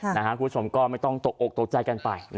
คุณผู้ชมก็ไม่ต้องตกอกตกใจกันไป